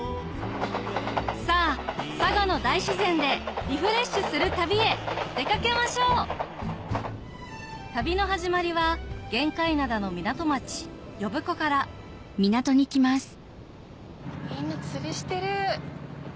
さぁ佐賀の大自然でリフレッシュする旅へ出掛けましょう旅の始まりは玄界灘の港町呼子からみんな釣りしてる。